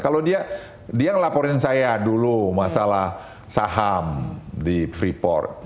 kalau dia dia yang laporin saya dulu masalah saham di freeport